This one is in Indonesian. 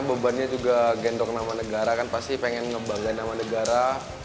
bebannya juga gendok nama negara kan pasti pengen ngebangga nama negara